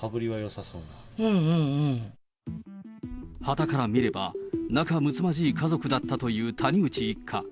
うん、はたから見れば、仲むつまじい家族だったという谷口一家。